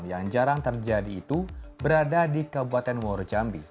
yang jarang terjadi itu berada di kabupaten woro jambi